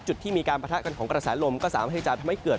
จุดที่มีการประทะกันของกระแสลมก็สามารถที่จะทำให้เกิด